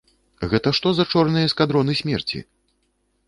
Гэта што за чорныя эскадроны смерці?!